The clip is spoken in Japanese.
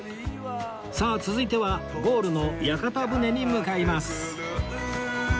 さあ続いてはゴールの屋形船に向かいます